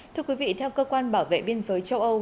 thưa quý vị theo cơ quan bảo vệ biên giới châu âu